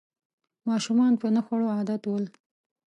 ماشومان په نه خوړو عادت ول